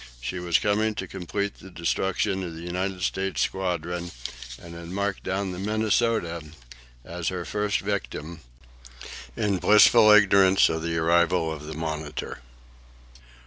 She was coming to complete the destruction of the United States squadron, and had marked down the "Minnesota" as her first victim, in blissful ignorance of the arrival of the "Monitor."